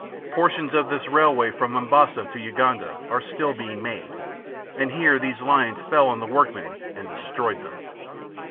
Portions of this railway from Mombasa to Uganda are still being made, and here these lions fell on the workmen and destroyed them.